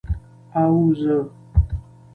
او زه،